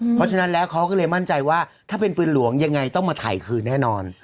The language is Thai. เพราะฉะนั้นแล้วเขาก็เลยมั่นใจว่าถ้าเป็นปืนหลวงยังไงต้องมาถ่ายคืนแน่นอน